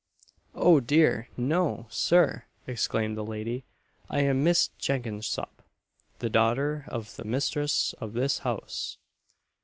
"O dear, no, Sir!" exclaimed the lady. "I am Miss Jenkinsop, the daughter of the mistress of this house."